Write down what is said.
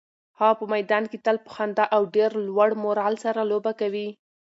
هغه په میدان کې تل په خندا او ډېر لوړ مورال سره لوبه کوي.